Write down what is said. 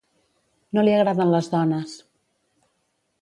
No li agraden les dones.